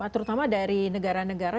terutama dari negara negara